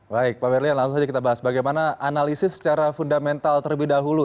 baik pak berlian langsung saja kita bahas bagaimana analisis secara fundamental terlebih dahulu